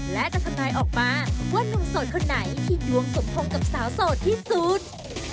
และจะทำนายออกมาว่านุ่มโสดคนไหนที่ดวงสมพงษ์กับสาวโสดที่สุด